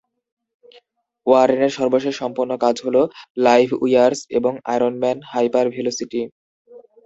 ওয়ারেনের সর্বশেষ সম্পন্ন কাজ হল "লাইভউইয়ার্স" এবং "আয়রন ম্যান: হাইপারভেলোসিটি"।